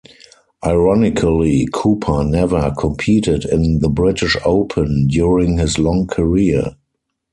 Ironically, Cooper never competed in the British Open during his long career.